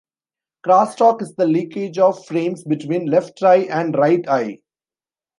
Crosstalk is the leakage of frames between left eye and right eye.